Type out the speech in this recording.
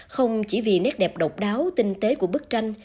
không chỉ vì nét đẹp độc đáo tinh tế của bức tranh